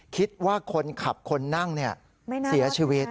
คิดว่าคนขับคนนั่งเสียชีวิต